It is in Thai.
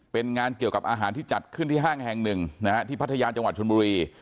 เป็นงานเกี่ยวกับอาหารที่จัดขึ้นที่ห้างแห่งหนึ่งนะฮะที่พัทยาจังหวัดชนบุรี